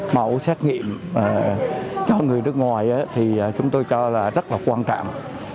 mẫu xét nghiệm cho người nước ngoài thì chúng tôi cho là rất là quan trọng